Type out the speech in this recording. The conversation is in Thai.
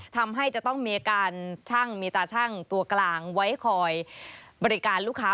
ทำให้จะต้องมีตาชั่งตัวกลางไว้คอยบริการลูกค้า